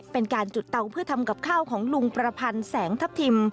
เป็นการจุดเตาเพื่อทำกับข้าวของลุงประพันธ์แสงทัพทิม